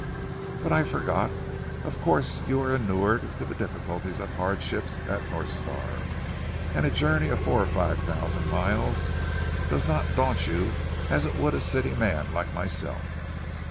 But I forget. Of course you are inured to difficulties and hardships at North Star, and a journey of four or five thousand miles does not daunt you as it would a city man like myself."